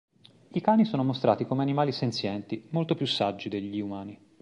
I cani sono mostrati come animali senzienti, molto più saggi degli umani.